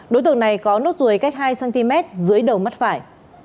đối tượng này có nốt ruồi cách hai cm dưới đầu mắt phải